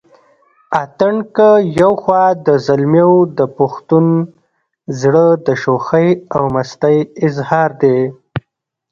اتڼ که يو خوا د زلميو دپښتون زړه دشوخۍ او مستۍ اظهار دے